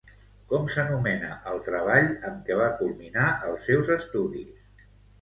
Com s'anomena el treball amb què va culminar els seus estudis?